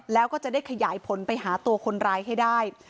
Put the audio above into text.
แล้วก็จะได้ขยายผลไปหาตัวคนร้ายให้ได้